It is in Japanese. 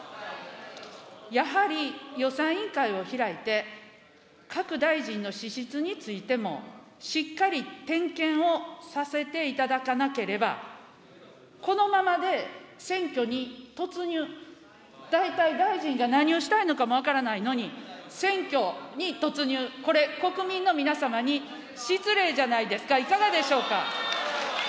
やはり予算委員会を開いて、各大臣の資質についてもしっかり点検をさせていただかなければ、このままで選挙に突入、大体大臣が何をしたいのかも分からないのに、選挙に突入、これ、国民の皆様に失礼じゃないですか、いかがでしょうか。